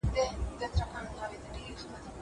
دا کتاب له هغه مفيد دی!!